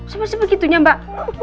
sama sebegitunya mbak